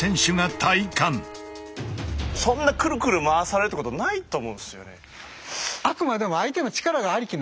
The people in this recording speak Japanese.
そんなクルクル回されるってことないと思うんですよね。